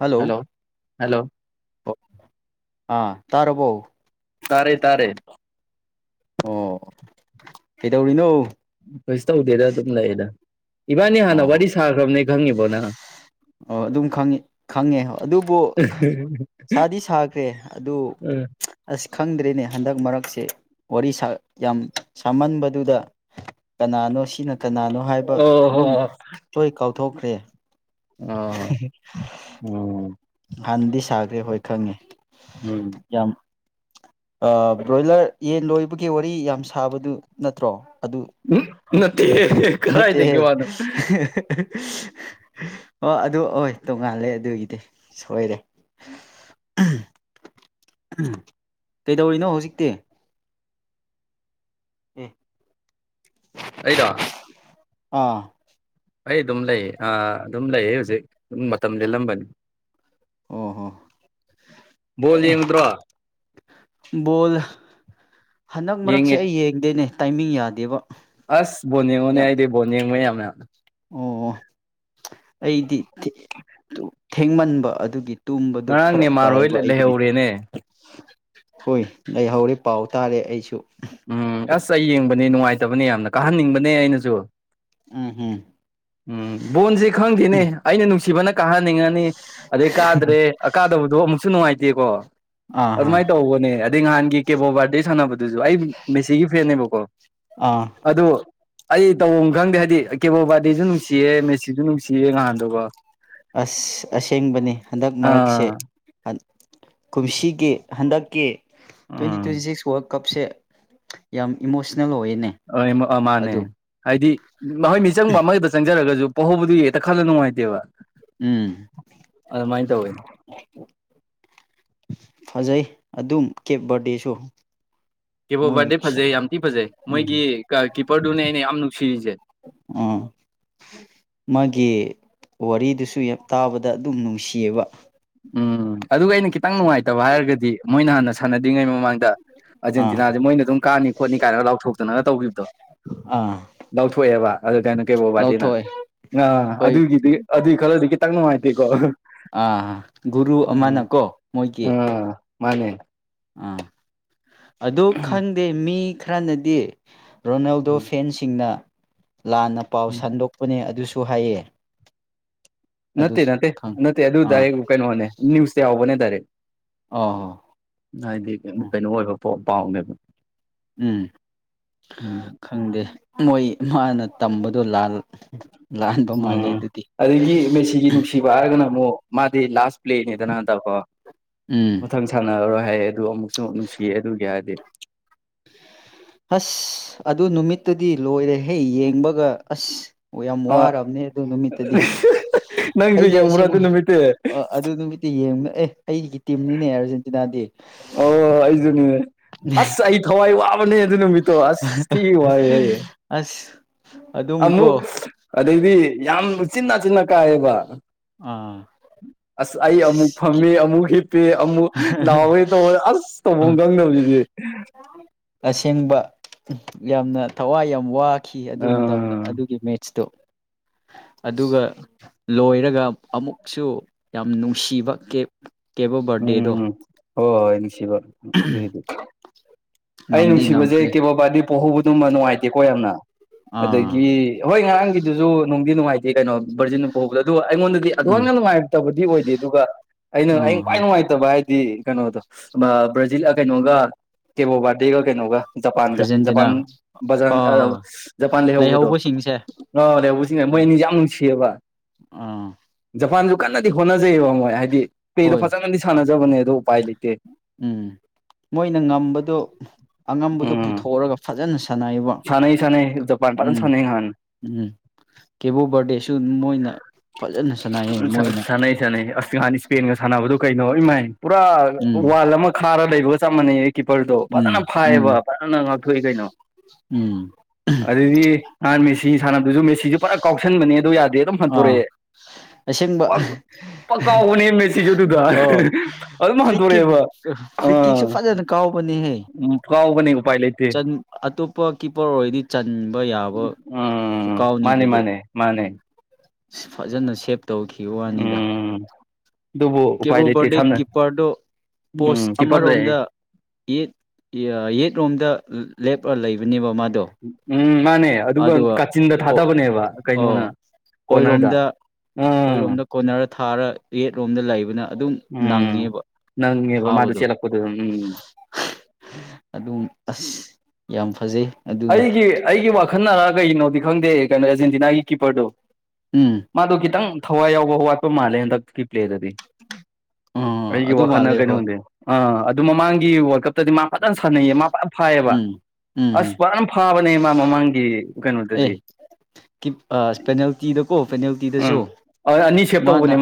hello hello ꯑꯥ ꯇꯥꯔꯕꯣ ꯇꯥꯔꯦ ꯇꯥꯔꯦ ꯑꯣ ꯀꯩꯗꯧꯔꯤꯅꯣ ꯀꯩꯁꯨ ꯇꯧꯗꯦꯗ ꯑꯗꯨꯝ ꯂꯩꯦꯗ ꯏꯕꯥꯅꯤ ꯍꯥꯟꯅ ꯋꯥꯔꯤ ꯑꯣ ꯁꯥꯈ꯭ꯔꯕꯅꯦ ꯈꯪꯉꯤꯕꯣ ꯅ ꯑꯣ ꯑꯗꯨꯝ ꯈꯪꯉꯤ ꯈꯪꯉꯦ ꯑꯗꯨꯕꯨ ꯁꯥꯗꯤ ꯁꯥꯈ꯭ꯔꯦ ꯑꯗꯨ ꯑꯁ ꯈꯪꯗ꯭ꯔꯔꯤꯅꯦ ꯍꯟꯗꯛ ꯃꯔꯛꯁꯦ ꯋꯥꯔꯤ ꯌꯥꯝ ꯁꯥꯃꯟꯕꯗꯨꯗ ꯀꯅꯥꯅꯣ ꯁꯤꯅ ꯀꯅꯥꯅꯣ ꯍꯥꯏꯕ ꯑꯣ ꯍꯣꯏ ꯀꯥꯎꯊꯣꯛꯈ꯭ꯔꯦ ꯎꯝ ꯎꯝ ꯍꯥꯟꯗꯤ ꯁꯥꯈ꯭ꯔꯦ ꯍꯣꯏ ꯈꯪꯉꯦ ꯎꯝ ꯌꯥꯝ ꯕ꯭ꯔꯣꯏꯂꯔ ꯌꯦꯟ ꯂꯣꯏꯕꯒꯤ ꯋꯥꯔꯤ ꯌꯥꯝ ꯁꯥꯕꯗꯨ ꯅꯠꯇ꯭ꯔꯣ ꯑꯗꯨ ꯎ ꯅꯠꯇꯦ ꯀꯗꯥꯥꯏꯗꯒꯦ ꯅꯠꯇꯦꯍꯦ ꯋꯥꯗ ꯑꯣ ꯑꯗꯨ ꯑꯣꯏ ꯇꯣꯡꯉꯥꯜꯂꯦ ꯑꯗꯨꯒꯤꯗꯤ ꯁꯣꯏꯔꯦ ꯎꯝ ꯀꯩꯗꯧꯔꯤꯅꯣ ꯍꯧꯖꯤꯛꯇꯤ ꯎ ꯑꯩꯔ ꯑꯥ ꯑꯩ ꯑꯗꯨꯝ ꯂꯩ ꯑꯗꯨꯝ ꯂꯩ ꯍꯧꯖꯤꯛ ꯑꯗꯨꯝ ꯃꯇꯝ ꯂꯦꯜꯂꯝꯕꯅꯤ ꯑꯣ ꯍꯣ ꯕꯣꯜ ꯑꯦ ꯌꯦꯡꯉꯨꯗ꯭ꯔꯣ ꯕꯣꯜ ꯍꯟꯗꯛ ꯃꯔꯛꯁꯦ ꯌꯦꯡꯉꯦ ꯑꯩ ꯌꯦꯡꯗꯦꯅꯦ ꯇꯥꯏꯃꯤꯡ ꯌꯥꯗꯦꯕ ꯑꯁ ꯕꯣꯟ ꯌꯦꯡꯉꯣꯅꯦ ꯌꯥꯝ ꯑꯩꯗꯤ ꯕꯣꯟ ꯌꯦꯡꯕ ꯌꯥꯝꯅꯌꯥꯝꯅ ꯑꯣ ꯑꯩꯗꯤ ꯊꯦꯡꯃꯟꯕ ꯑꯗꯨꯒꯤ ꯇꯨꯝꯕꯗꯨ ꯉꯔꯥꯡ ꯐꯔꯛ ꯅꯦꯃꯥꯔ ꯍꯣꯏ ꯇꯥꯏꯌꯦꯕ ꯑꯩꯒꯤꯗꯤ ꯂꯩꯍꯧꯔꯦꯅꯦ ꯍꯣꯏ ꯑꯩ ꯍꯧꯔꯦ ꯄꯥꯎ ꯇꯥꯔꯦ ꯑꯩꯁꯨ ꯎꯝ ꯑꯁ ꯑꯩ ꯌꯦꯡꯕꯅꯦ ꯅꯨꯡꯉꯥꯏꯇꯕꯅꯦ ꯌꯥꯝꯅ ꯀꯥꯍꯟꯅꯤꯡꯕꯅꯦ ꯑꯩꯅꯁꯨ ꯎꯝꯍꯝ ꯎꯝ ꯕꯣꯟꯁ ꯈꯪꯗꯦꯅꯦ ꯑꯩꯅ ꯅꯨꯡꯁꯤꯕꯅ ꯀꯥꯍꯟꯅꯤꯡꯉꯅꯤ ꯑꯗꯩ ꯀꯥꯗ꯭ꯔꯦ ꯀꯥꯗꯕꯗꯣ ꯑꯃꯨꯛꯁꯨ ꯅꯨꯡꯉꯥꯏꯇꯦꯀꯣ ꯑꯥ ꯑꯥ ꯑꯗꯨꯃꯥꯏꯅ ꯇꯧꯕꯅꯦ ꯑꯗꯩ ꯅꯍꯥꯟꯒꯤ ꯀꯦꯕꯣ ꯕꯥꯔꯗꯦ ꯁꯥꯟꯅꯕꯗꯣ ꯑꯗꯨꯁꯨ ꯑꯩ ꯃꯦꯁꯤꯒꯤ ꯐ꯭ꯔꯦꯟꯅꯦꯕꯀꯣ ꯑꯥ ꯑꯗꯨ ꯑꯩ ꯇꯧꯐꯝ ꯈꯪꯗꯦ ꯍꯥꯏꯗꯤ ꯀꯦꯕꯣꯕꯥꯗꯤꯁꯨ ꯅꯨꯡꯁꯤꯌꯦ ꯃꯦꯁꯤꯁꯨ ꯅꯨꯡꯁꯤꯌꯦ ꯉꯍꯥꯟꯗꯨꯒꯣ ꯑꯁ ꯑꯁꯦꯡꯕꯅꯤ ꯍꯟꯗꯛ ꯃꯔꯛꯁꯦ ꯑꯥ ꯀꯨꯝꯁꯤꯒꯤ ꯍꯟꯗꯛꯀꯤ ꯇ꯭ꯋꯦꯟꯇꯤ ꯇ꯭ꯋꯦꯟꯇꯤ ꯎꯝ ꯁꯤꯛꯁ ꯋ ꯀꯞꯁꯦ ꯌꯥꯝ ꯏꯃꯣꯁꯅꯦꯜ ꯑꯣꯏꯌꯦꯅꯦ ꯑ ꯃꯥꯅꯦ ꯑꯗꯨꯝ ꯍꯥꯏꯗꯤ ꯃꯈꯣꯏ ꯃꯤꯆꯪꯕ ꯑꯃꯈꯛꯇ ꯆꯪꯖꯔꯒꯁꯨ ꯄꯍꯧꯕꯗꯨ ꯍꯦꯛꯇ ꯈꯜꯂ ꯅꯨꯡꯉꯥꯏꯇꯦꯕ ꯎꯝ ꯑꯗꯨꯃꯥꯏꯅ ꯇꯧꯧꯕꯅꯤ ꯐꯖꯩ ꯑꯗꯨꯝ ꯀꯦꯞ ꯕꯔꯗꯦꯁꯨ ꯀꯤꯞꯣ ꯃꯣꯏ ꯔꯗꯤ ꯐꯖꯩ ꯌꯥꯝ ꯊꯤ ꯐꯖꯩ ꯎꯝ ꯃꯣꯏꯒꯤ ꯀꯤꯞꯄꯔꯗꯨꯅꯦ ꯑꯩꯅ ꯌꯥꯝ ꯅꯨꯡꯁꯤꯔꯤꯁꯦ ꯑꯥ ꯃꯥꯒꯤ ꯋꯥꯔꯤꯗꯨꯁꯨ ꯌꯥꯝ ꯇꯥꯕꯗ ꯑꯗꯨꯝ ꯅꯨꯡꯁꯤꯌꯦꯕ ꯎꯝ ꯑꯗꯨꯒ ꯑꯩꯅ ꯈꯤꯇꯪ ꯅꯨꯡꯉꯥꯏꯇꯕ ꯍꯥꯏꯔꯒꯗꯤ ꯃꯣꯏꯅ ꯍꯥꯟꯅ ꯁꯥꯟꯅ꯭ꯔꯤꯉꯩ ꯃꯃꯥꯡ ꯗ ꯑꯥ ꯑꯔꯖꯦꯟꯇꯤꯅꯥꯁꯦ ꯃꯣꯏꯅ ꯑꯗꯨꯝ ꯀꯥꯅꯤ ꯈꯣꯠꯅꯤ ꯀꯥꯏꯅꯒ ꯂꯥꯎꯊꯣꯛꯇꯅꯒ ꯇꯧꯈꯤꯕꯗꯣ ꯑꯥ ꯂꯧꯊꯣꯛꯑꯦꯕ ꯑꯗꯨ ꯀꯥꯏꯅ ꯀꯩꯕꯨꯣ ꯋꯥꯗꯤꯅ ꯂꯧꯊꯣꯛꯑꯦ ꯑ ꯍꯣꯏ ꯑꯗꯨꯒꯤꯗꯤ ꯑꯗꯨꯒꯤ ꯈꯔꯗꯤ ꯈꯤꯇꯪ ꯅꯨꯡꯉꯥꯏꯇꯦꯀꯣ ꯑꯥ ꯒꯨꯔꯨ ꯑꯃꯅꯀꯣ ꯃꯣꯏꯒꯤ ꯃꯥꯅꯦꯅꯦ ꯑꯥ ꯑꯗꯨ ꯎꯝ ꯈꯪꯗꯦ ꯃꯤ ꯈꯔꯅꯗꯤ ꯔꯣꯅꯥꯜꯗꯣ ꯐꯦꯟꯁꯤꯡꯅ ꯂꯥꯟꯅ ꯄꯥꯎ ꯎꯝ ꯁꯟꯗꯣꯛꯄꯅꯦ ꯑꯗꯨꯁꯨ ꯍꯥꯏꯌꯦ ꯑꯗꯨ ꯅꯠꯇꯦ ꯅꯠꯇꯦ ꯈꯪ ꯅꯠꯇꯦ ꯑꯗꯨ ꯑꯥ ꯗꯗꯥꯏ ꯀꯩꯅꯣꯅꯦ ꯅꯁꯦꯎꯕꯅꯦꯗꯥꯔꯦ ꯑꯣ ꯍꯥꯏꯗꯤꯇ ꯎꯝ ꯀꯩꯅꯣ ꯑꯣꯏꯕ ꯄꯥꯝꯃꯦꯕ ꯎꯝ ꯈꯪꯗꯦ ꯃꯣꯏ ꯃꯥꯅ ꯇꯝꯕꯗꯣ ꯂꯥꯜ ꯎꯝ ꯑꯗꯒꯤ ꯃꯦꯁꯤꯒꯤ ꯅꯨꯡꯁꯤꯕ ꯍꯥꯏꯔꯒꯅ ꯑꯃꯨꯛ ꯃꯥꯗꯤ ꯂꯥꯁ ꯄ꯭ꯂꯦꯅꯤꯗꯅꯗꯀꯣ ꯎꯝ ꯃꯊꯪ ꯁꯥꯟꯅꯔꯔꯣꯏ ꯍꯥꯏꯌꯦ ꯑꯗꯨ ꯑꯃꯨꯛꯁꯨ ꯅꯨꯡꯁꯤꯌꯦ ꯑꯗꯨꯒꯤ ꯍꯥꯏꯔꯗꯤ ꯑꯁ ꯑꯗꯨ ꯅꯨꯃꯤꯠꯇꯨꯗꯤ ꯂꯣꯏꯔꯦꯍꯦ ꯌꯦꯡꯕꯒ ꯑꯁ ꯑꯣ ꯌꯥꯝ ꯑ ꯋꯥꯔꯕꯅꯦ ꯑꯗꯨ ꯅꯨꯃꯤꯠꯇꯗꯤ ꯅꯪꯁꯨ ꯌꯥꯝꯡꯕ꯭ꯔꯥ ꯑꯗꯨ ꯅꯨꯃꯤꯠꯇ ꯑ ꯑꯗꯨ ꯅꯨꯃꯤꯠꯇ ꯌꯦꯡꯉ ꯑꯦ ꯑꯩꯒꯤ ꯇꯤꯝꯅꯤꯅꯦ ꯑꯥꯔꯖꯦꯟꯇꯤꯅꯥꯗꯤ ꯑꯣ ꯑꯩꯁꯨꯅꯦ ꯑꯁ ꯑꯩ ꯊꯋꯥꯏ ꯋꯥꯕꯅꯦ ꯑꯗꯨ ꯅꯨꯃꯤꯠꯇꯣ ꯑꯁ ꯊꯤ ꯋꯥꯏꯑꯦ ꯍꯥꯏꯌꯦꯦ ꯑꯁ ꯑꯗꯨꯝ ꯀꯣ ꯑꯃꯨꯛ ꯑꯗꯩꯗꯤ ꯌꯥꯝ ꯆꯤ ꯆꯤꯟꯅ ꯀꯥꯏꯌꯦꯕ ꯑꯥ ꯑꯁ ꯑꯩ ꯑꯃꯨꯛ ꯐꯝꯃꯦ ꯑꯃꯨꯛ ꯍꯤꯞꯄꯦ ꯑꯃꯨꯛ ꯂꯥꯎꯋꯦ ꯇꯧꯋ ꯑꯁ ꯇꯧꯐꯝ ꯈꯪꯗ ꯍꯧꯖꯤꯗꯤ ꯑꯁꯦꯡꯕ ꯌꯥꯝꯅ ꯊꯋꯥꯏ ꯌꯥꯝ ꯋꯥꯈꯤ ꯑꯗꯨ ꯃꯇꯝꯗ ꯑꯥ ꯑꯗꯨꯒꯤ ꯃꯦꯠꯁꯇꯣ ꯑꯗꯨꯒ ꯂꯣꯏꯔꯒ ꯑꯃꯨꯛꯁꯨ ꯌꯥꯝ ꯅꯨꯡꯁꯤꯕ ꯀꯦꯞ ꯀꯦꯕꯣ ꯕꯔꯗꯦꯗꯣ ꯎꯝꯝ ꯍ ꯍꯣꯏ ꯅꯤꯡꯅꯨꯡꯁꯤꯕ ꯑꯗꯨꯗꯨ ꯑꯩ ꯉꯝꯗꯤ ꯅꯨꯡꯁꯤꯕꯁꯦ ꯉꯝꯈ꯭ꯔꯦ ꯀꯦꯕꯕꯥꯗꯤ ꯄꯣꯛꯍꯧꯕꯗꯨꯃ ꯅꯨꯡꯉꯥꯏꯇꯦꯀꯣ ꯌꯥꯝꯅ ꯑꯥ ꯑꯗꯒꯤ ꯍꯣꯏ ꯉꯔꯥꯡꯒꯤꯗꯨꯁꯨ ꯅꯨꯡꯗꯤ ꯅꯨꯡꯉꯥꯏꯇꯦ ꯀꯩꯅꯣ ꯕꯔꯖꯤꯟ ꯐꯥꯎꯕꯗꯣ ꯑꯗꯨ ꯑꯩꯉꯣꯟꯗꯗꯤ ꯑꯗꯨ ꯎꯝ ꯌꯥꯝꯅ ꯅꯨꯡꯉꯥꯏꯕ ꯐꯠꯇꯕꯗꯤ ꯑꯣꯏꯗꯦ ꯑꯗꯨꯒ ꯑꯩꯅ ꯑꯥ ꯑꯩꯅ ꯈ꯭ꯋꯥꯏ ꯑꯥ ꯅꯨꯡꯉꯥꯏꯇꯕ ꯍꯥꯏ ꯗꯤ ꯀꯩꯅꯣꯗꯣ ꯕ꯭ꯔꯥꯖꯤꯜꯒ ꯀꯩꯅꯣꯒ ꯀꯦꯕꯣꯕꯥꯔꯗꯦꯒ ꯀꯩꯅꯣꯒ ꯖꯄꯥꯟꯒ ꯑꯥꯔꯖꯦꯟꯇꯤꯅꯥ ꯄꯥꯟꯖ ꯑꯥ ꯄꯥꯟ ꯂ ꯍꯕꯗꯣ ꯂꯩꯍꯧꯕꯁꯤꯡꯁꯦ ꯑꯔꯦꯕꯨꯖꯤꯅꯦ ꯃꯣꯏ ꯎꯝ ꯑꯅꯤ ꯌꯥꯝ ꯅꯨꯡꯁꯤꯌꯦꯕ ꯑꯥ ꯖꯄꯥꯟꯁꯨ ꯀꯟꯅꯗꯤ ꯍꯣꯠꯅꯖꯩꯑꯕ ꯃꯣꯏ ꯍꯥꯏꯗꯤ ꯄ꯭ꯂꯦꯗꯣ ꯍꯣꯏ ꯐꯖꯒꯗꯤ ꯁꯥꯟꯅꯖꯕꯅꯦ ꯑꯗꯨ ꯎꯄꯥꯏ ꯂꯩꯇꯦ ꯎꯝ ꯃꯣꯏꯅ ꯉꯝꯕꯗꯣ ꯑꯉꯝꯕꯗꯣ ꯄꯨꯊꯣꯛꯑꯒ ꯐꯖꯅ ꯁꯥꯟꯅꯩꯑꯕ ꯁꯅ ꯁꯅ ꯗꯄꯥꯟꯗ ꯁꯅ ꯍꯅ ꯎꯝ ꯀꯦꯕꯣ ꯕꯥꯔꯗꯦꯁꯨ ꯃꯣꯏꯅ ꯐꯖꯅ ꯁꯥꯟꯅꯩꯌꯦ ꯎ ꯃꯣꯏꯅ ꯁꯥꯟꯅꯩ ꯁꯥꯟꯅꯩ ꯑꯁ ꯍꯥꯟꯅ ꯏꯁꯄꯦꯟꯒ ꯁꯥꯟꯅꯕꯗꯣ ꯀꯩꯅꯣ ꯏꯃꯥꯏ ꯄꯨꯔꯥ ꯎꯝ ꯋꯥꯜ ꯑꯃ ꯈꯥꯔ ꯂꯩꯕꯒ ꯆꯞ ꯃꯥꯟꯅꯩ ꯀꯤꯞꯄꯔꯗꯣ ꯎꯝ ꯐꯖꯅ ꯎꯝ ꯐꯥꯏꯌꯦꯕ ꯐꯖꯅ ꯉꯥꯛꯊꯣꯛꯏ ꯀꯩꯅꯣ ꯎꯝ ꯑꯗꯨꯗꯤ ꯅꯍꯥꯟ ꯃꯦꯁꯤ ꯁꯥꯟꯅꯕꯗꯨꯁꯨ ꯃꯦꯁꯤꯁꯨ ꯄꯨꯂ ꯀꯥꯎꯁꯟꯕꯅꯦ ꯑꯗꯨ ꯌꯥꯗꯦ ꯑꯗꯨꯝ ꯍꯟꯇꯣꯔꯛꯑꯦ ꯑꯥ ꯑꯁꯦꯡꯕ ꯄꯛ ꯀꯥꯎꯕꯅꯦ ꯃꯦꯁꯤꯁꯨ ꯑꯗꯨꯗ ꯑꯣ ꯑꯗꯨꯝ ꯐꯔꯤ ꯀꯦꯛ ꯍꯟꯇꯣꯔꯛꯑꯦꯕ ꯐꯔꯤ ꯀꯦꯛꯁꯨ ꯐꯖꯅ ꯀꯥꯎꯕꯅꯦꯍꯦ ꯎ ꯀꯥꯎꯕꯅꯤ ꯎ ꯄꯥꯏ ꯂꯩꯇꯦ ꯑꯇꯣꯞꯄ ꯀꯤꯞꯄꯣꯔ ꯑꯣꯏꯔꯗꯤ ꯆꯟꯕ ꯌꯥꯕ ꯀꯥꯎꯅꯤ ꯑꯗꯨ ꯃꯅꯦ ꯃꯥꯅꯦ ꯐꯖꯅ ꯁꯦꯞ ꯇꯧꯈꯤ ꯋꯥꯅꯤꯗ ꯎꯝ ꯑꯗꯨꯕꯨ ꯎꯄꯥꯏ ꯂꯩꯇꯦ ꯀꯦꯕꯨꯕꯔꯗꯤ ꯁꯝꯅ ꯀꯤꯞꯄꯔꯗꯨ ꯎꯝ ꯄꯣꯁ ꯀꯤꯞꯄꯔꯗꯩ ꯑꯃꯔꯣꯝꯗ ꯌꯦꯠ ꯌꯦꯠ ꯔꯣꯝꯗ ꯂꯦꯞ ꯂꯩꯕꯅꯦꯕ ꯃꯥꯗꯣ ꯎꯝ ꯃꯥꯅꯦ ꯑꯗꯨꯒ ꯀꯥꯆꯤꯟꯗ ꯊꯥꯗꯕꯅꯦꯕ ꯀꯩꯅꯣꯅ ꯀꯣꯅꯔꯗ ꯑꯩꯔꯣꯝꯗ ꯑꯣꯏꯔꯣꯝꯗ ꯎꯝ ꯀꯣꯅꯔ ꯊꯥꯔ ꯔꯦꯠꯂꯣꯝꯗ ꯂꯩꯕ ꯑꯗꯨꯝ ꯎꯝ ꯅꯪꯉꯦꯕ ꯅꯪꯉꯦꯕ ꯃꯥꯗꯣ ꯐꯥꯕꯗꯣ ꯆꯦꯜꯂꯛꯄꯗꯨ ꯎꯝ ꯑꯗꯨꯝ ꯑꯁ ꯌꯥꯝ ꯐꯖꯩ ꯑꯗꯨꯗꯣ ꯑꯩꯒꯤ ꯑꯩꯒꯤ ꯋꯥꯈꯜꯅꯔ ꯀꯩꯅꯣꯗꯤ ꯈꯪꯗꯦ ꯀꯩꯅꯣ ꯑꯦꯔꯖꯦꯟꯇꯤꯅꯥꯒꯤ ꯀꯤꯞꯄꯔꯗꯨ ꯎꯝ ꯃꯥꯗ ꯈꯤꯇꯪ ꯊꯋꯥꯏ ꯌꯥꯎꯕ ꯋꯥꯠꯄ ꯃꯥꯜꯂꯦ ꯍꯟꯗꯛꯀꯤ ꯄ꯭ꯂꯦꯗꯗꯤ ꯑꯥ ꯑꯩꯒꯤ ꯑꯗꯨ ꯋꯥꯈꯜꯅ ꯃꯥꯜꯂꯦ ꯍꯣꯏ ꯀꯩꯅꯣꯗꯦ ꯑꯥ ꯑꯗꯨ ꯃꯃꯥꯡꯒꯤ ꯋꯥꯀ ꯇꯗꯤ ꯃꯥ ꯐꯖꯅ ꯁꯥꯟꯅꯩꯌꯦ ꯃꯥ ꯐꯖꯅ ꯐꯥꯏꯌꯦꯕ ꯎꯝ ꯎꯝ ꯎꯝ ꯋꯥ ꯌꯥꯝ ꯐꯥꯕꯅꯦ ꯃꯥ ꯃꯃꯥꯡꯒꯤ ꯑꯦ ꯀꯩꯅꯣꯗꯗꯤ ꯄꯦꯅꯥꯜꯇꯤꯗꯀꯣ ꯎꯝ ꯄꯦꯅꯥꯜꯇꯤꯗꯁꯨ ꯑꯅꯤ ꯁꯦꯞ ꯃꯥꯅ ꯇꯧꯕꯅꯦ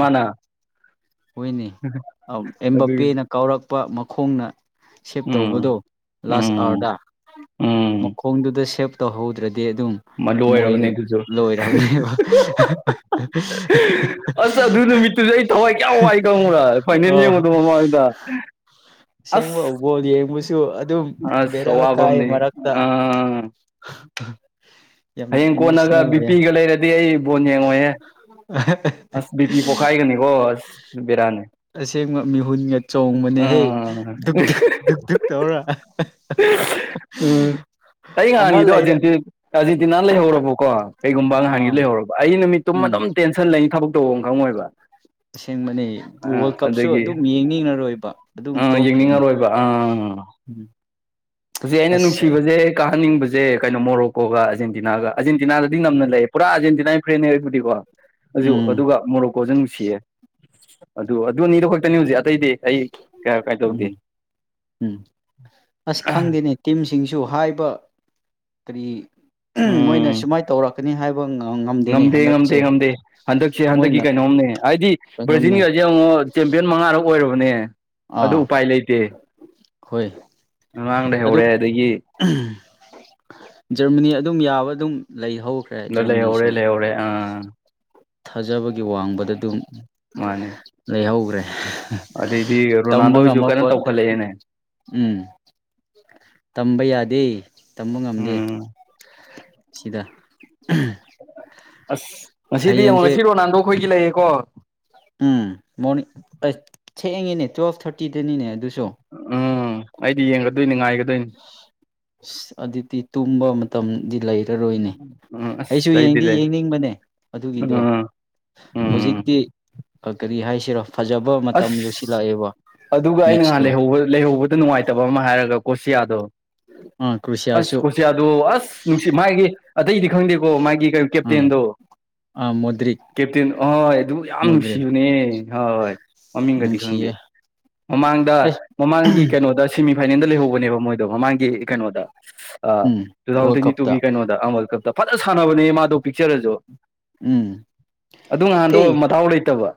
ꯍꯣꯏꯅꯤ ꯑꯗꯨꯒꯤ ꯑꯕꯄꯦꯅ ꯀꯥꯎꯔꯛꯄ ꯃꯈꯣꯡꯅ ꯁꯦꯞ ꯇꯧꯕꯗꯣ ꯎꯝ ꯂꯥꯁ ꯎꯝ ꯑꯋꯥꯔꯗ ꯎꯝ ꯐꯣꯡꯗꯨꯗ ꯁꯦꯞ ꯇꯧꯍꯧꯗ꯭ꯔꯗꯤ ꯑꯗꯨꯝ ꯃ ꯃꯣꯏ ꯂꯣꯏꯔꯕꯅꯦ ꯑꯗꯨꯁꯨ ꯂꯣꯏꯔꯔꯕꯅꯦꯕ ꯑꯁ ꯑꯗꯨ ꯅꯨꯃꯤꯠꯇꯨꯁ ꯑꯩ ꯊꯋꯥꯏ ꯀꯌꯥꯝ ꯋꯥꯏ ꯈꯪꯉꯨꯔꯥ ꯐꯥꯏꯅꯦꯜ ꯌꯦꯡꯉꯗꯣ ꯃꯃꯥꯡꯗ ꯑꯁꯦꯡꯕ ꯑꯁ ꯕꯣꯜ ꯌꯦꯡꯕꯁꯨ ꯑꯗꯨꯝ ꯑꯁ ꯕꯦꯔꯥ ꯀꯥꯏ ꯋꯥꯐꯝꯅꯤ ꯃꯔꯛꯇ ꯑꯥ [unintelligible] ꯍꯌꯦꯡ ꯀꯣꯟꯅꯒ ꯏꯃꯣꯁꯅꯦꯜ ꯑꯣꯏꯌꯦ ꯕꯤꯄꯤꯒ ꯂꯩꯔꯗꯤ ꯑꯩ ꯕꯣꯟ ꯌꯦꯡꯉꯣꯏꯍꯦ [unintelligible] ꯑꯁ ꯕꯤ ꯄꯤ ꯄꯣꯛꯈꯥꯏꯒꯅꯤꯀꯣ ꯑꯁ ꯕꯦꯔꯥꯅꯦ ꯑꯁꯦꯡꯕ ꯃꯤꯍꯨꯟꯒ ꯆꯣꯡꯕꯅꯦꯍꯦ ꯑꯥ ꯙꯛ ꯙꯛ ꯙꯛ ꯙꯛ ꯇꯧꯔ ꯎꯝ ꯑꯩ ꯑꯃ ꯉꯍꯥꯟꯒꯤꯗꯣ ꯑ ꯂꯩꯔꯦ ꯑꯥꯔꯖꯦꯟꯇꯤꯅꯥꯅ ꯂꯩꯍꯧꯔꯕꯣꯀꯣ ꯀꯩꯒꯨꯝꯕ ꯑꯍꯥꯟꯒꯤ ꯑꯥ ꯂꯩꯍꯧꯔꯕ ꯑꯩ ꯅꯨꯃꯤꯠꯇꯨ ꯎꯝ ꯑꯗꯨꯝ ꯇꯦꯟꯁꯟ ꯂꯩꯅꯤ ꯊꯕꯛ ꯇꯧꯕ ꯑꯃ ꯈꯪꯉꯣꯏꯕ ꯑꯁꯦꯡꯕꯅꯤ ꯑꯥ ꯋꯥꯔꯜ ꯀꯞꯁꯨ ꯑꯗꯒꯤ ꯑꯗꯨꯝ ꯌꯦꯡꯅꯤꯡꯉꯔꯣꯏꯕ ꯑꯗꯨꯝ ꯑꯥ ꯇꯣꯛꯈ꯭ꯔꯅꯤ ꯌꯦꯡꯅꯤꯡꯉꯔꯣꯏꯕ ꯑꯥ ꯎꯝ ꯍꯧꯖꯤꯛ ꯑꯩꯅ ꯑꯁ ꯅꯨꯡꯁꯤꯕꯁꯦ ꯀꯥꯍꯟꯅꯤꯡꯕꯁꯦ ꯀꯩꯅꯣ ꯃꯣꯔꯣꯀꯣꯒ ꯑꯔꯖꯦꯟꯇꯤꯅꯥꯒ ꯑꯔꯖꯦꯟꯇꯤꯅꯥꯗꯗꯤ ꯅꯝꯅ ꯂꯩꯌꯦ ꯄꯨꯔꯥ ꯑꯥꯔꯖꯦꯟꯇꯤꯅꯥ ꯐ꯭ꯔꯦꯟꯅꯦ ꯑꯩꯕꯨꯗꯤꯀꯣ ꯑꯗꯨ ꯎꯝ ꯑꯗꯨꯒ ꯃꯣꯔꯣꯛꯀꯣꯖ ꯅꯨꯡꯁꯤꯌꯦ ꯑꯗꯨ ꯑꯗꯨ ꯑꯅꯤꯗꯣ ꯈꯛꯇꯅꯤ ꯍꯧꯖꯤꯛ ꯑꯇꯩꯗꯤ ꯑꯩ ꯀꯌꯥ ꯀꯥꯏ ꯇꯧꯗꯦ ꯎꯝ ꯎꯝ ꯑꯁ ꯈꯪꯗꯦꯅꯦ ꯇꯤꯝꯁꯤꯡꯁꯨ ꯍꯥꯏꯕ ꯀꯔꯤ ꯃꯣꯏꯅ ꯎꯝ ꯁꯨꯃꯥꯏꯅ ꯇꯧꯔꯛꯀꯅꯤ ꯍꯥꯏꯕ [unintelligible] ꯉꯝꯗꯦ ꯍꯟꯗꯛꯁꯦ ꯉꯝꯗꯦ ꯉꯝꯗꯦ ꯍꯟꯗꯛꯁꯦ ꯍꯟꯗꯛꯀꯤ ꯃꯣꯏꯅ ꯀꯩꯅꯣꯝꯅꯦ ꯍꯥꯏꯗꯤ ꯀꯩꯅꯣꯝꯅꯦ ꯕ꯭ꯔꯥꯖꯤꯟꯒꯥꯁꯦ ꯑꯃꯨꯛ ꯆꯦꯝꯄꯤꯌꯟ ꯃꯉꯥꯔꯛ ꯑꯣꯏꯔꯕꯅꯦ ꯑꯗꯨ ꯑꯥ ꯎꯄꯥꯏ ꯂꯩꯇꯦ ꯍꯣꯏ ꯑꯉꯥꯡꯗ ꯑꯗꯨ ꯍꯧꯔꯦ ꯑꯗꯒꯤ ꯖꯔꯃꯅꯤ ꯑꯗꯨꯝ ꯌꯥꯕ ꯑꯗꯨꯝ ꯂꯩ ꯍꯧ ꯅ ꯂꯩꯍꯧꯔꯦ ꯂꯩꯍꯧꯔꯦ ꯑꯥ ꯊꯥꯖꯕꯒꯤ ꯋꯥꯡꯃꯗ ꯑꯗꯨꯝ ꯃꯥꯅꯦ ꯂꯩꯍꯧꯈ꯭ꯔꯦ ꯑꯗꯩꯗꯤ ꯇꯝꯕ ꯔꯣꯅꯥꯜꯗꯣꯁꯨ ꯉꯝꯃꯛꯄ ꯀꯟꯅ ꯇꯧꯈꯠꯂꯛꯑꯦꯅꯦ ꯎꯝ ꯇꯝꯕ ꯌꯥꯗꯦ ꯇꯝꯕ ꯉꯝꯗꯦ ꯎꯝ ꯁꯤꯗ ꯑꯁ ꯉꯁꯤꯗꯤ ꯑꯃꯨꯛ ꯍꯌꯦꯡꯁꯦ ꯉꯁꯤ ꯔꯣꯅꯥꯜꯗꯣ ꯈꯣꯏꯒꯤ ꯂꯩꯌꯦꯀꯣ ꯎꯝ ꯃꯣꯔꯅꯤꯡ ꯑꯩ ꯊꯏꯉꯤꯅꯦ ꯇꯨꯋꯦꯜꯞ ꯊꯥꯔꯇꯤꯗꯅꯤꯅꯦ ꯑꯗꯨꯁꯨ ꯎꯝ ꯑꯩꯗꯤ ꯌꯦꯡꯒꯗꯣꯏꯅꯤ ꯉꯥꯏꯒꯗꯣꯏꯅꯤ ꯑꯁ ꯑꯗꯨꯗꯤ ꯇꯨꯝꯕ ꯃꯇꯝꯗꯤ ꯂꯩꯔꯔꯣꯏꯅꯦ ꯎꯝ ꯑꯩꯁꯨ ꯑꯁ ꯑꯩꯗꯤ ꯌꯦꯡꯗꯤ ꯂꯩ ꯌꯦꯡꯅꯤꯡꯕꯅꯦ ꯑꯗꯨꯒꯤꯗꯣ ꯎꯝ ꯎꯝ ꯍꯧꯖꯤꯛꯇꯤ ꯀꯔꯤ ꯍꯥꯏꯁꯤꯔꯣ ꯐꯖꯕ ꯃꯇꯝ ꯑꯁ ꯌꯧꯁꯤꯜꯂꯛꯑꯦꯕ ꯑꯗꯨꯒ ꯑ ꯅꯍꯥꯟ ꯃꯦꯠꯁꯇꯣ ꯂꯩꯍꯧꯕ ꯂꯩꯍꯧꯕ ꯑꯇ ꯅꯨꯡꯉꯥꯏꯇꯕ ꯑꯃ ꯍꯥꯏꯔꯒ ꯀꯣꯁꯤꯌꯥꯗꯣ ꯑ ꯑꯁ ꯀꯣꯁꯤꯌꯥꯗꯨ ꯑꯁ ꯅꯨꯡꯁꯤꯠ ꯃꯥꯥꯏꯒꯤ ꯑꯇꯩꯗꯤ ꯈꯪꯗꯦꯀꯣ ꯃꯥꯒꯤ ꯀ ꯑꯥ ꯀꯦꯞꯇꯦꯟꯗꯣ ꯑꯥ ꯃ‌ꯣꯗꯔꯤ ꯀꯦꯞꯇꯦꯟ ꯑꯍꯣꯏ ꯑꯗꯨ ꯌꯥꯝ ꯅꯨꯡꯁꯤꯕꯅꯦ ꯍꯣꯏ ꯃꯃꯤꯡꯒꯗꯤ ꯈꯪꯗꯦ ꯅꯨꯡꯁꯤꯌꯦ ꯃꯃꯥꯡꯗ ꯑꯦꯁ ꯃꯃꯥꯡꯒꯤ ꯀꯩꯅꯣꯗ ꯁꯦꯃꯤꯐꯥꯏꯅꯦꯜꯗ ꯂꯩꯍꯧꯕꯅꯦꯕ ꯃꯣꯏꯗꯣ ꯃꯃꯥꯡꯒꯤ ꯀꯩꯅꯣꯗ ꯑ ꯎꯝ ꯇꯨ ꯊꯥꯎꯖꯟ ꯋꯥꯔꯜ ꯇ꯭ꯋꯦꯟꯇꯤ ꯀꯞꯇ ꯇꯨꯒꯤ ꯀꯩꯅꯣꯗ ꯑ ꯋꯥꯔꯜ ꯀꯞꯇ ꯐꯖꯅ ꯁꯥꯟꯅꯕꯅꯦ ꯃꯥ ꯑꯗꯨ ꯄꯤꯛꯆꯔꯁꯨ ꯎꯝ ꯑꯗꯨ ꯅꯍꯥꯟꯗꯣ ꯑꯦ ꯃꯗꯥꯎ ꯂꯩꯇꯕ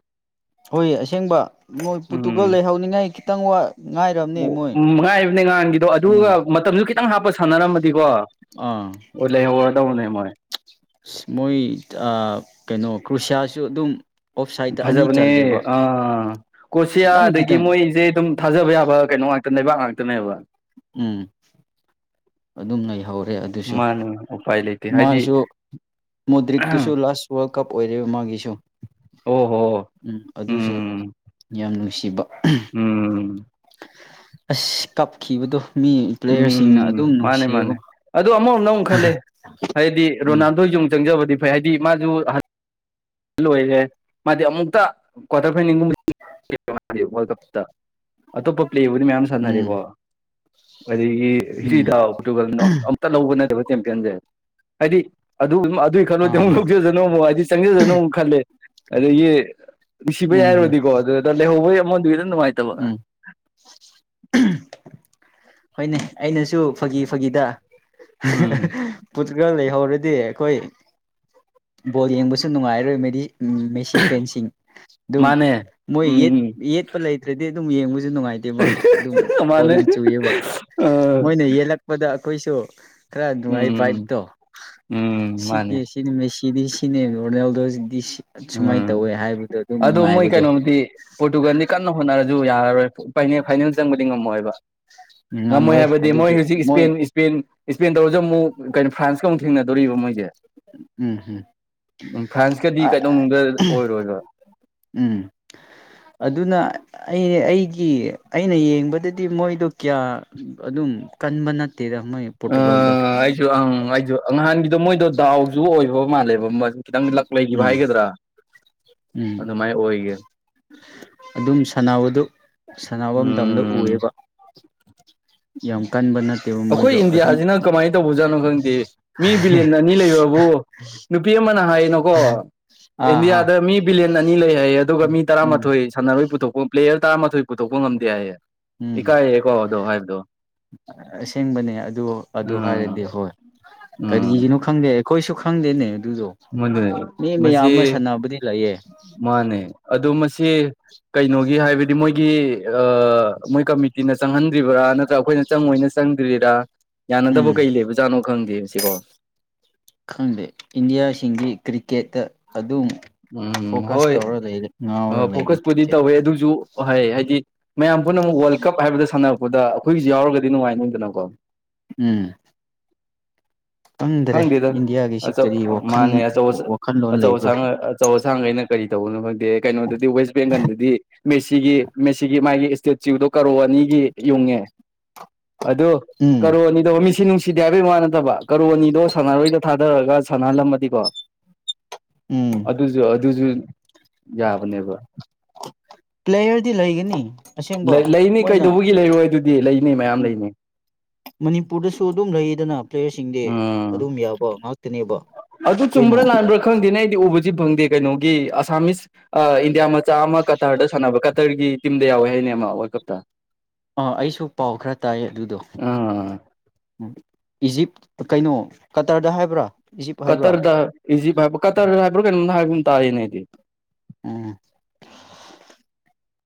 ꯍꯣꯏ ꯑꯁꯦꯡꯕ ꯃꯣꯏ ꯄꯨꯠꯇꯨꯒꯜ ꯎꯝ ꯂꯩꯍꯧꯅꯤꯉꯥꯏ ꯈꯤꯇꯪ ꯋꯥ ꯉꯥꯏꯔꯕꯅꯦ ꯃꯣꯏ ꯉꯥꯏꯕꯅꯦ ꯉꯍꯥꯟꯒꯤꯗꯣ ꯎꯝ ꯑꯗꯨꯒ ꯃꯇꯝꯁꯨ ꯈꯤꯇꯪ ꯍꯥꯞꯄ ꯁꯥꯟꯅꯔꯝꯃꯗꯤꯀꯣ ꯑꯥ ꯎ ꯂꯩꯍꯧꯔꯗꯧꯅꯦ ꯃꯣꯏ ꯃꯣꯏ ꯀꯩꯅꯣ ꯀ꯭ꯔꯨꯁꯤꯌꯥꯁꯨ ꯑꯗꯨꯝ ꯑꯣꯐ ꯁꯥꯏꯠꯇ ꯑꯅꯤ ꯐꯖꯕꯅꯦ ꯆꯜꯂꯦꯕ ꯑꯥ ꯀꯣꯁꯤꯌꯥ ꯈꯤꯇꯪ ꯑꯗꯒꯤ ꯈꯤꯇꯪ ꯃꯣꯏꯁꯦ ꯑꯗꯨꯝ ꯊꯥꯖꯕ ꯌꯥꯕ ꯀꯩꯅꯣ ꯉꯥꯛꯇ ꯂꯩꯕꯥꯛ ꯉꯥꯛꯇꯅꯦꯕ ꯎꯝ ꯑꯗꯨꯝ ꯂꯩꯍꯧꯔꯦ ꯑꯗꯨꯁꯨ ꯃꯥꯅꯦ ꯎꯄꯥꯏ ꯂꯩꯇꯦ ꯍꯥꯏꯗꯤ ꯃꯥꯁꯨ ꯃ‌ꯣꯗ꯭ꯔꯤꯛꯇꯨꯁꯨ ꯑꯣ ꯂꯥꯁ ꯋꯥꯔꯜ ꯀꯞ ꯑꯣꯏꯔꯦ ꯃꯥꯒꯤꯁꯨ ꯑꯣ ꯍꯣ ꯎꯝ ꯑꯗꯨꯁꯨ ꯎꯝ ꯌꯥꯝ ꯅꯨꯡꯁꯤꯕ ꯎꯝ ꯑꯁ ꯀꯞꯈꯤꯕꯗꯣ ꯃꯤ ꯄ꯭ꯂꯦꯌꯔꯁꯤꯡꯅ ꯎꯝ ꯑꯗꯨꯝ ꯃꯥꯅꯦ ꯃꯥꯅꯦ ꯅꯨꯡꯁꯤꯌꯦꯕ ꯑꯗ‍ꯣ ꯑꯃꯔ‌ꯣꯝꯗ ꯃꯨꯛ ꯈꯜꯂꯦ ꯍꯥꯏꯗꯤ ꯎꯝ ꯔꯣꯅꯥꯜꯗꯣ ꯌꯨꯡ ꯆꯪꯖꯕꯗꯤ ꯐꯩ ꯍꯥꯏꯗꯤ ꯃꯥꯁꯨ ꯂꯣꯏꯔꯦꯍ‌ꯦ ꯃꯥꯗꯤ ꯑꯃꯨꯛꯇ ꯀ꯭ꯋꯥꯇꯔ ꯐꯥꯏꯅꯦꯜꯒꯨꯝꯕ [inaudible] ꯋꯥꯔꯜ ꯀꯞ ꯇ ꯑꯇꯣꯞꯄ ꯄ꯭ꯂꯦꯕꯨꯗꯤ ꯃꯌꯥꯝ ꯎꯝ ꯁꯥꯟꯅꯔꯦꯀꯣ ꯑꯗꯒꯤ ꯎꯝ [unintelligible] ꯑꯝꯇ ꯂꯧꯕ ꯅꯠꯇ‌ꯦꯕ ꯆꯦꯝꯄꯤꯌꯟꯁꯦ ꯍꯥꯏꯗꯤ ꯑꯗꯨ ꯑꯗꯨꯏ ꯑ ꯈꯜꯂꯨꯔꯗꯤ ꯃꯨꯛ ꯍ ꯂꯧꯖ ꯅꯣꯡꯃꯨ ꯍꯥꯏꯗꯤ ꯆꯪꯖꯁꯅ‌ꯣ ꯃꯨꯛ ꯈꯜꯂꯦ ꯑꯗꯒꯤ ꯅꯨꯡꯁꯤꯕꯩ ꯎꯝ ꯍꯥꯏꯔꯨꯔꯗꯤꯀꯣ ꯑꯗꯨꯗ ꯂꯩꯍꯧꯕꯩ ꯃ‌ꯣꯟꯗ꯭ꯔꯤꯗꯨ ꯅꯨꯡꯉꯥꯏꯇꯕ ꯎꯝ ꯍꯣꯏꯅꯦ ꯑꯩꯅꯁꯨ ꯐꯥꯒꯤ ꯐꯥꯒꯤꯗ ꯎꯝ ꯄꯨꯔꯇꯒꯜ ꯂꯩꯍꯧꯔꯗꯤ ꯑꯩꯈꯣꯏ ꯕꯣꯜ ꯌꯦꯡꯕꯁꯨ ꯅꯨꯡꯉꯥꯏꯔꯣꯏ ꯃꯗꯤ ꯁꯤ ꯐꯦꯟꯁꯤꯡ ꯑꯗꯨꯝ ꯃꯥꯅꯦ ꯃꯣꯏ ꯌ‌ꯦꯠ ꯎꯝ ꯌꯦꯠꯄ ꯂꯩꯇ꯭ꯔꯗꯤ ꯑꯗꯨꯝ ꯌꯦꯡꯕꯁꯨ ꯅꯨꯡꯉꯥꯏ ꯇꯦꯕ ꯑꯗꯨꯝ ꯃꯥꯅꯦ ꯕꯣꯔꯤꯡ ꯆꯨꯏꯑꯦꯕ ꯑꯥ ꯃꯣꯏꯅ ꯌꯦꯜꯂꯛ ꯕꯗ ꯑꯩꯈꯣꯏꯁꯨ ꯈꯔ ꯅꯨꯡꯉꯥꯏ ꯎꯝ ꯚꯥꯏꯞꯇꯣ ꯎꯝ ꯃꯥꯅꯦ ꯁꯤꯒ‌ꯦ ꯁꯤꯗꯤ ꯃ‌ꯦꯁꯤꯗꯤ ꯁꯤꯅꯦ ꯔꯣꯅꯦꯜꯗꯣꯁꯤꯗꯤ ꯁꯤ ꯁꯨꯃꯥꯏꯅ ꯎꯝ ꯇꯧꯋꯦ ꯍꯥꯏꯕ ꯑꯗꯣ ꯃꯣꯏ ꯀꯩꯅꯣꯗꯤ ꯄꯣꯔꯇꯨꯒꯥꯟꯗꯤ ꯀꯟꯅ ꯍꯣꯠꯅꯔꯁꯨ ꯌꯥꯔꯔꯣꯏ ꯐꯥꯏ ꯐꯥꯏꯅꯦꯜ ꯆꯪꯕꯗꯤ ꯉꯝꯃꯣꯏꯕ ꯉꯝꯃꯣꯏ ꯉꯝꯔꯣꯏ ꯍꯥꯏꯕꯗꯤ ꯃꯣꯏ ꯑꯗꯨꯗꯤ ꯍꯧꯖꯤꯛ ꯃꯣꯏ ꯏꯁꯄꯦꯟ ꯏꯁꯄꯦꯟ ꯏꯁꯄꯦꯟ ꯇꯧꯔꯁꯨ ꯑꯃꯨꯛ ꯀꯩꯅꯣ ꯐ꯭ꯔꯥꯟꯁꯀ ꯑꯃꯨꯛ ꯊꯦꯡꯅꯗꯣꯔꯤꯕ ꯃꯣꯏꯁꯦ ꯎꯝ ꯎꯝ ꯐ꯭ꯔꯥꯟꯁ ꯀꯗꯤ ꯎꯝ ꯑꯗꯨꯅ ꯑ ꯑꯩ ꯑꯩꯒꯤ ꯑꯩꯅ ꯌꯦꯡꯕꯗꯗꯤ ꯃꯣꯏꯗꯣ ꯀꯌꯥ ꯑꯗꯨꯝ ꯀꯟꯕ ꯅꯠꯇꯦꯗ ꯃꯣꯏ ꯑ ꯄꯣꯔꯇꯨꯒꯜꯗꯣ ꯑꯩꯁꯨ ꯑꯪ ꯑꯩꯁꯨ ꯉꯍꯥꯟꯒꯤꯗꯣ ꯃꯣꯏꯗꯣ ꯗꯥꯎꯁꯨ ꯑꯣꯏꯕ ꯃꯥꯜꯂꯦ [unintelligible] ꯈꯤꯇꯪ ꯂꯛ ꯂꯩꯈꯤꯕ ꯎꯝ ꯍꯥꯏꯒꯗ꯭ꯔꯥ ꯎꯝ ꯑꯗꯨꯃꯥꯏꯅ ꯑꯣꯏꯒꯦ ꯑꯗꯨꯝ ꯁꯥꯟꯅꯕꯗꯨ ꯁꯥꯟꯅꯕ ꯃꯇꯝꯗ ꯎꯝ ꯎꯏꯌ‌ꯦꯀꯣ ꯌꯥꯝ ꯀꯟꯕ ꯅꯠ ꯑꯩꯈꯣꯏ ꯏꯟꯗꯤꯌꯥꯖꯤꯅ ꯀꯃꯥꯏꯅ ꯇꯧꯕꯖꯥꯠꯅꯣ ꯈꯪꯗꯦ ꯃꯤ ꯕꯤꯂꯤꯌꯟ ꯑꯅꯤ ꯂꯩꯕꯕꯨ ꯅꯨꯄꯤ ꯑꯃꯅ ꯍꯥꯏꯅꯣꯀꯣ ꯑꯥ ꯑꯥ ꯏꯟꯗꯤꯌꯥꯗ ꯃꯤ ꯕꯤꯂꯤꯌꯟ ꯑꯅꯤ ꯂꯩ ꯍꯥꯏꯌꯦ ꯑꯗꯨꯒ ꯎꯝ ꯃꯤ ꯎꯝ ꯇꯔꯥꯃꯥꯊꯣꯏꯁꯦ ꯁꯥꯟꯅꯔꯣꯏ ꯄꯨꯊꯣꯛꯄ ꯄ꯭ꯂꯦꯌꯔ ꯇꯔꯥꯃꯥꯊꯣꯏ ꯄꯨꯊꯣꯛꯄ ꯉꯝꯗꯦ ꯍꯥꯏꯌꯦ ꯎꯝ ꯏꯀꯥꯏꯔꯦꯀꯣ ꯑꯗꯣ ꯍꯥꯏꯕꯗꯣ ꯑꯁꯦꯡꯕꯅꯦ ꯑꯗꯨ ꯑꯗꯨ ꯎꯝ ꯍꯥꯏꯔꯗꯤ ꯍꯣꯏ ꯎꯝ ꯀꯔꯤꯒꯤꯅꯣ ꯈꯪꯗꯦ ꯑꯩꯈꯣꯏꯁꯨ ꯈꯪꯗꯦꯅꯦ ꯑꯗꯨꯗꯣ ꯃꯗꯨꯅꯦ ꯃꯤ ꯃꯌꯥꯝ ꯃꯁꯤ ꯑꯃ ꯁꯥꯟꯅꯕꯗꯤ ꯂꯩꯌꯦ ꯃꯥꯅꯦ ꯑꯗꯣ ꯃꯁꯤ ꯀꯩꯅꯣꯒꯤ ꯍꯥꯏꯕꯗꯤ ꯃꯣꯏꯒꯤ ꯃꯣꯏ ꯀꯃꯤꯇꯤꯅ ꯆꯪꯍꯟꯗ꯭ꯔꯤꯕ꯭ꯔꯥ ꯅꯠꯇ꯭ꯔꯒ ꯑꯩꯈꯣꯏꯅ ꯆꯪꯉꯣꯏꯅ ꯆꯪꯗ꯭ꯔꯤꯔꯥ ꯌꯥꯅꯗꯕ ꯎꯝ ꯀꯩ ꯂꯩꯕꯖꯥꯠꯅꯣ ꯈꯪꯗꯦ ꯁꯤꯀꯣ ꯈꯪꯗꯦ ꯏꯟꯗꯤꯌꯥꯁꯤꯡꯗꯤ ꯀ꯭ꯔꯤꯀꯦꯠꯇ ꯑꯗꯨꯝ ꯎꯝ ꯐꯣꯀꯁ ꯍꯣꯏ ꯇꯧꯔ ꯂꯩꯔꯦ ꯉꯥꯎ ꯑꯣ ꯐꯣꯀꯁꯄꯨꯗꯤ ꯇꯧꯋꯦ ꯑꯗꯨꯁꯨ ꯍꯥꯏꯗꯤ ꯃꯌꯥꯝ ꯄꯨꯝꯅꯃꯛ ꯋꯥꯔꯜ ꯀꯞ ꯍꯥꯏꯕꯗ ꯁꯥꯟꯅꯕ ꯗ ꯑꯩꯈꯣꯏꯒꯤꯖꯨ ꯌꯥꯎꯔꯒꯗꯤ ꯅꯨꯡꯉꯥꯏꯅꯤꯗꯅꯀꯣ ꯎꯝ ꯈꯪꯗ꯭ꯔꯦ ꯈꯪꯗꯦꯗ ꯏꯟꯗꯤꯌꯥꯒꯤꯁꯤ ꯑꯆꯧ ꯀꯔꯤ ꯋꯥꯈꯜ ꯃꯥꯅꯦ ꯑꯆꯧ ꯋꯥꯈꯜꯂꯣꯟ ꯂꯩꯕ꯭ꯔꯥ ꯑꯁꯥꯡ ꯑꯆꯧ ꯑꯁꯥꯡꯈꯩꯅ ꯀꯔꯤ ꯇꯧꯕꯅꯣ ꯈꯪꯗꯦ ꯀꯩꯅꯣꯗꯗꯤ ꯋꯦꯁ ꯕꯦꯡꯒꯜꯗꯗꯤ ꯃꯦꯁꯤꯒꯤ ꯃꯦꯁꯤꯒꯤ ꯃꯥꯒꯤ ꯏꯁ ꯆꯨꯗꯣ ꯀꯥꯔꯣ ꯑꯅꯤꯒꯤ ꯌꯨꯡꯉꯦ ꯑꯗꯨ ꯎꯝ ꯀꯥꯔꯣ ꯑꯅꯤꯗꯣ ꯃꯤꯁꯤ ꯅꯨꯡꯁꯤ ꯁꯤꯗꯦ ꯍꯥꯏꯕꯩ ꯋꯥ ꯅꯠꯇꯕ ꯀꯥꯔꯣ ꯑꯅꯤꯗꯣ ꯁꯥꯟꯅꯔꯣꯏꯗ ꯊꯥꯗꯔꯒ ꯁꯥꯟꯅꯍꯜꯂꯝꯃꯗꯤꯀꯣ ꯎꯝ ꯑꯗꯨꯖꯨ ꯑꯗꯨꯖꯨ ꯌꯥꯕꯅꯦꯕ ꯄ꯭ꯂꯦꯌꯔꯗꯤ ꯂꯩꯒꯅꯤ ꯑꯁꯦꯡꯕ ꯂꯩ ꯂꯩꯅꯤ ꯃꯣꯏꯅ ꯀꯩꯗꯧꯕꯒꯤ ꯂꯩꯔꯣꯏ ꯑꯗꯨꯗꯤ ꯂꯩꯅꯤ ꯃꯌꯥꯝ ꯎꯝ ꯂꯩꯅꯤ ꯃꯅꯤꯄꯨꯔꯗꯁꯨ ꯑꯗꯨꯝ ꯂꯩꯗꯅ ꯄ꯭ꯂꯦꯌꯔꯁꯤꯡꯗꯤ ꯎꯝ ꯑꯗꯨꯝ ꯌꯥꯕ ꯉꯥꯛꯇꯅꯦꯕ ꯑꯗꯨ ꯑꯩꯈꯣꯏꯅ ꯆꯨꯝꯕ꯭ꯔꯥ ꯂꯥꯟꯕ꯭ꯔꯥ ꯈꯪꯗꯦꯅꯦ ꯑꯩꯗꯤ ꯎꯕꯁꯤ ꯐꯪꯗꯦ ꯀꯩꯅꯣꯒꯤ ꯑꯁꯥꯃꯤꯁ ꯑꯥ ꯏꯟꯗꯤꯌꯥ ꯆꯆꯥ ꯑꯃ ꯀꯇꯥꯔꯗ ꯁꯥꯟꯅꯕ ꯀꯇꯔꯒꯤ ꯇꯤꯝꯗ ꯌꯥꯎꯋꯦ ꯍꯥꯏꯅꯦ ꯑꯃ ꯋꯥꯔꯜ ꯀꯞꯇ ꯑꯥ ꯑꯩꯁꯨ ꯄꯥꯎ ꯈꯔ ꯇꯥꯏ ꯑꯗꯨꯗꯣ ꯑꯥ ꯎꯝ ꯏꯖꯤꯞ ꯀꯩꯅꯣ ꯀꯇꯔꯗ ꯍꯥꯏꯕ꯭ꯔꯥ ꯏꯖꯤꯞ ꯍꯥꯏꯕ꯭ꯔꯥ ꯀꯇꯔꯗ ꯏꯖꯤꯞ ꯍꯥꯏꯕ ꯀꯇꯔꯗ ꯍꯥꯏꯕ꯭ꯔꯥ ꯀꯩꯅꯣꯝꯗ ꯍꯥꯏꯕ ꯑꯃ ꯇꯥꯏꯅꯦꯗꯤ ꯎꯝ